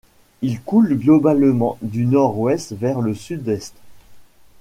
Il coule globalement du nord-ouest vers le sud-est.